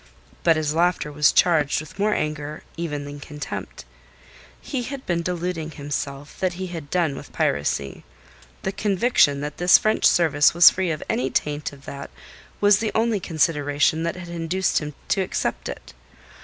But his laughter was charged with more anger even than contempt. He had been deluding himself that he had done with piracy. The conviction that this French service was free of any taint of that was the only consideration that had induced him to accept it.